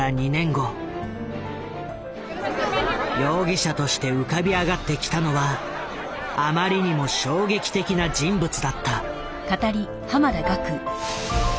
容疑者として浮かび上がってきたのはあまりにも衝撃的な人物だった。